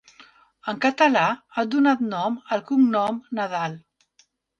En català, ha donat nom al cognom Nadal.